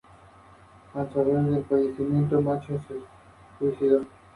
Pero a diferencia de este último, las relaciones son unidireccionales.